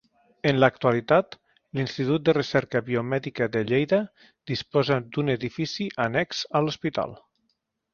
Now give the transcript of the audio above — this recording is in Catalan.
En l'actualitat, l'Institut de Recerca Biomèdica de Lleida disposa d'un edifici annex a l'hospital.